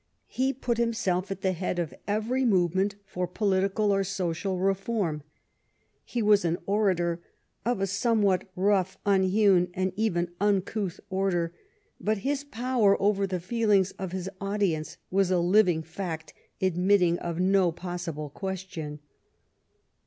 He put himself at the head of every movement for political or social reform. He was an orator of a some what rough, unhewn, and even uncouth order, but his power over the feelings of his audience was a living fact admit ting of no possible question.